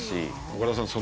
岡田さん